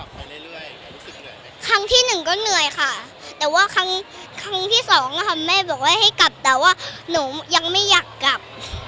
รู้สึกครั้งที่หนึ่งก็เหนื่อยค่ะแต่ว่าครั้งที่สองค่ะแม่บอกว่าให้กลับแต่ว่าหนูยังไม่อยากกลับ